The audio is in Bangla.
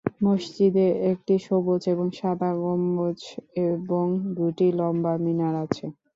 মসজিদে একটি সবুজ এবং সাদা গম্বুজ এবং দুটি লম্বা মিনার আছে।